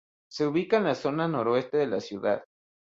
Se ubica en la zona noroeste de la ciudad.